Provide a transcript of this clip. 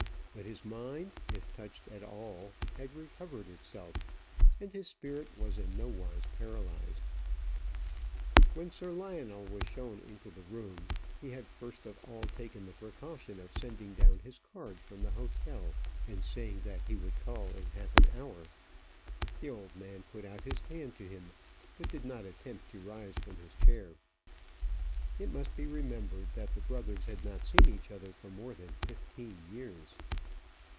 But his mind, if touched at all, had recovered itself; and his spirit was in nowise paralyzed. When Sir Lionel was shown into the room he had first of all taken the precaution of sending down his card from the hotel, and saying that he would call in half an hour the old man put out his hand to him, but did not attempt to rise from his chair. It must be remembered that the brothers had not seen each other for more than fifteen years.